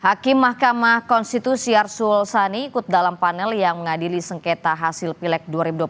hakim mahkamah konstitusi arsul sani ikut dalam panel yang mengadili sengketa hasil pileg dua ribu dua puluh empat